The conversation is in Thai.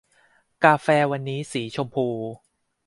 กาแฟวันนี้สีชมพู